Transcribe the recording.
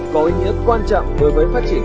có ý nghĩa quan trọng với phát triển